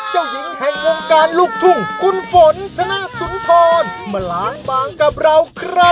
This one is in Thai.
เจ้าหญิงแห่งวงการลูกทุ่งคุณฝนธนสุนทรมาล้างบางกับเราครับ